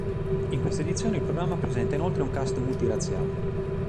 In questa edizione il programma presenta inoltre un cast multirazziale.